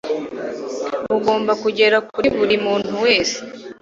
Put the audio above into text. bugomba kugera kuri buri muntu wese